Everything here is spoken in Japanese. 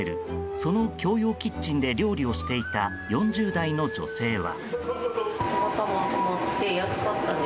その共用キッチンで料理をしていた４０代の女性は。